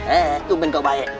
eh eh tungguin kau baik